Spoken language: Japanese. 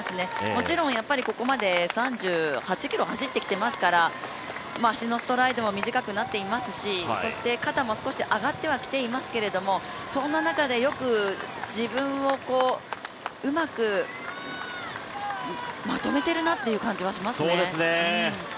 もちろんここまで３８ｋｍ走ってきてますから足のストライドも少し短くなってきますしそして肩も少し上がってはきていますけどもそんな中でよく自分をうまくまとめてるなという感じはします。